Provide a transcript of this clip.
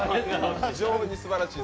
非常にすばらしい。